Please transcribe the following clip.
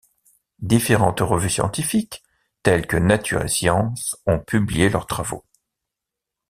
Différentes revues scientifiques, telles que Nature et Science, ont publié leurs travaux.